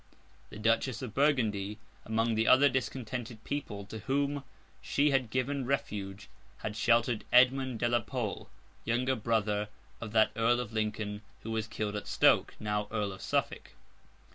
The Duchess of Burgundy, among the other discontented people to whom she had given refuge, had sheltered Edmund de la Pole (younger brother of that Earl of Lincoln who was killed at Stoke), now Earl of Suffolk.